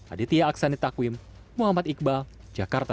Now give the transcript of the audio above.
aditya aksani takwim muhammad iqbal jakarta